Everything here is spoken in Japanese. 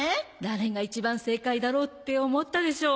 誰が一番正解だろうって思ったでしょ！